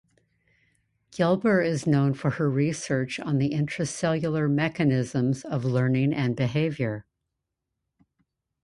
Gelber is known for her research on the intracellular mechanisms of learning and behavior.